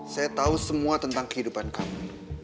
saya tahu semua tentang kehidupan kamu